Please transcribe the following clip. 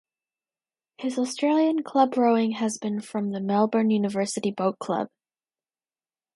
His Australian club rowing has been from the Melbourne University Boat Club.